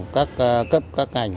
các cấp các ngành